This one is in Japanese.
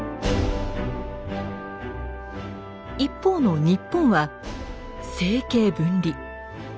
一方の日本は「政経分離」。